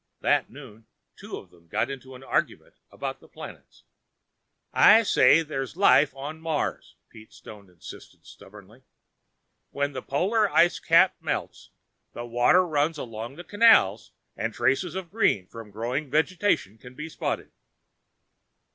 That noon two of them got into an argument about the planets. "I say there is life on Mars," Pete Stone insisted stubbornly. "When the polar ice cap melts, the water runs along the canals and traces of green from growing vegetation can be spotted."